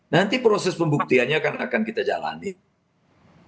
nanti proses pembuktiannya akan kita jalani